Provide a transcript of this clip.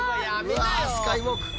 うわスカイウォーク。